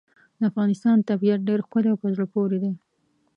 د افغانستان طبیعت ډېر ښکلی او په زړه پورې دی.